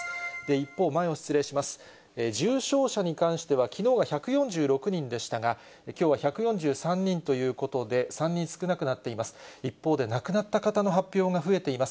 一方、前を失礼します、重症者に関してはきのうが１４６人でしたが、きょうは１４３人ということで、３人少なくなっています。